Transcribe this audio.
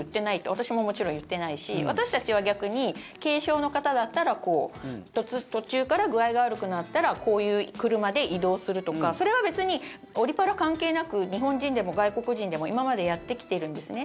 私も、もちろん言ってないし私たちは逆に軽症の方だったらこう途中から具合が悪くなったらこういう車で移動するとかそれは別にオリ・パラ関係なく日本人でも外国人でも今までやってきているんですね。